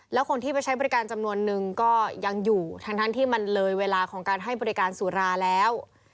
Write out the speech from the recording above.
แล้วคนที่ไปใช้บริการจำนวนนึงก็ยังอยู่ทั้งที่มันเลยเวลาของการให้บริการสุราแล้ว